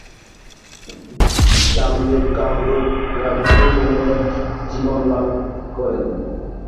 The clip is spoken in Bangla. কামদেব কামরূপ রাজ্যে পুনরায় জীবন লাভ করেন।